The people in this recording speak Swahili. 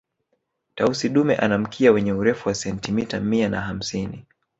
Tausi dume ana mkia wenye Urefu wa sentimita mia na hamsini